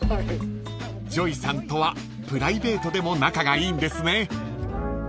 ［ＪＯＹさんとはプライベートでも仲がいいんですね］